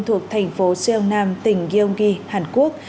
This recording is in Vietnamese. thuộc thành phố siêu nam tỉnh gyeonggi hàn quốc